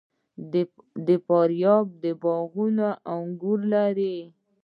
د فاریاب باغونه انګور لري.